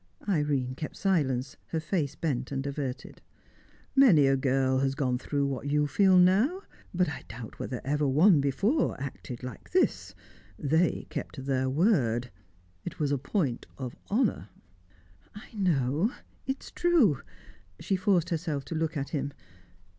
Irene kept silence, her face bent and averted. "Many a girl has gone through what you feel now, but I doubt whether ever one before acted like this. They kept their word; it was a point of honour." "I know; it is true." She forced herself to look at him.